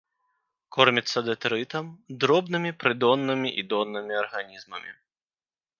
Кормяцца дэтрытам, дробнымі прыдоннымі і доннымі арганізмамі.